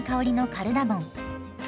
カルダモン！